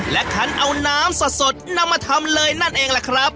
และคันเอาน้ำสดนำมาทำเลยนั่นเองล่ะครับ